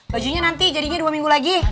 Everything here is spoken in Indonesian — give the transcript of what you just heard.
bajunya nanti jadinya dua minggu lagi